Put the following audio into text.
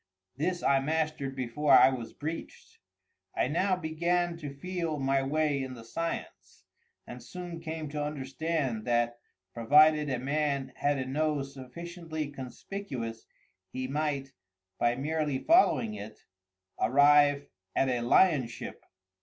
This I mastered before I was breeched. I now began to feel my way in the science, and soon came to understand that, provided a man had a nose sufficiently conspicuous, he might, by merely following it, arrive at a Lionship.